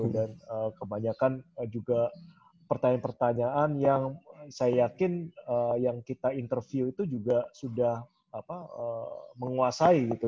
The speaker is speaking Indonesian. dan kebanyakan juga pertanyaan pertanyaan yang saya yakin yang kita interview itu juga sudah menguasai gitu